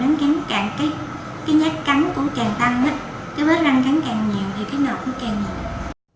rắn cắn càng cái nhát cắn cũng càng tăng nhất cái vết rắn cắn càng nhiều thì cái nọ cũng càng nhiều